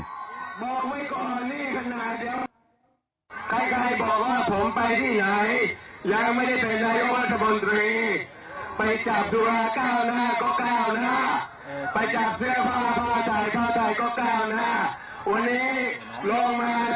ต้องมาสมุทรสงครามต้องขอจากประชาโลยีใหม่แล้ว